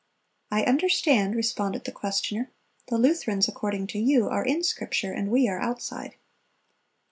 "I understand," responded the questioner. "The Lutherans, according to you, are in Scripture, and we are outside."